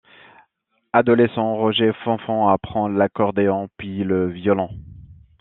Adolescent, Roger Fanfant apprend l’accordéon puis le violon.